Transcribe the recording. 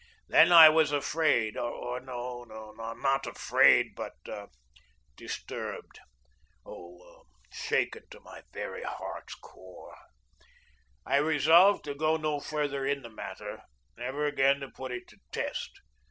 Then I was afraid or no, not afraid, but disturbed oh, shaken to my very heart's core. I resolved to go no further in the matter, never again to put it to test.